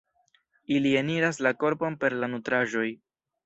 Ili eniras la korpon per la nutraĵoj.